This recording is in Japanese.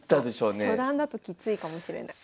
初段だときついかもしれない。